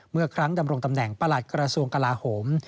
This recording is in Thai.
เมื่อครั้งดำรงตำแหน่งประหลักกรราศูนย์กลาหม